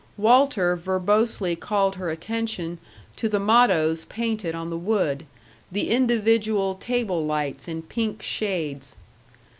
Walter verbosely called her attention to the mottoes painted on the wood, the individual table lights in pink shades.